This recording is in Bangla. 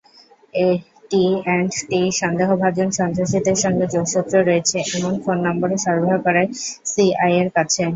এটিঅ্যান্ডটি সন্দেহভাজন সন্ত্রাসীদের সঙ্গে যোগসূত্র রয়েছে—এমন ফোন নম্বরও সরবরাহ করে সিআইএর কাছে।